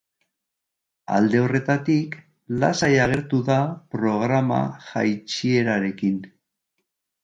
Alde horretatik, lasai agertu da programa jaitsierarekin.